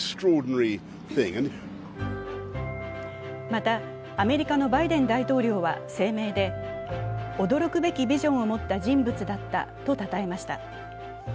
また、アメリカのバイデン大統領は声明で、驚くべきビジョンを持った人物だったと称えました。